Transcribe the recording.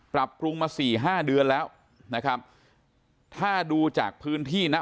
ปรับปรุงมาสี่ห้าเดือนแล้วนะครับถ้าดูจากพื้นที่นะ